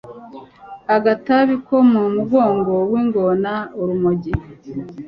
agatabi ko ku mugongo w'ingona urumogi